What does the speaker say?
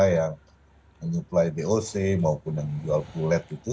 yang menyuplai boc maupun yang jual kulit itu